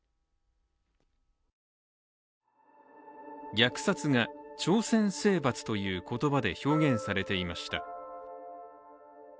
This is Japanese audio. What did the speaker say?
虐殺が朝鮮征伐という言葉で表現されていました。